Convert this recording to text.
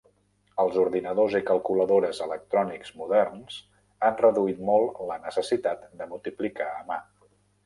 Els ordinadors i calculadores electrònics moderns han reduït molt la necessitat de multiplicar a mà.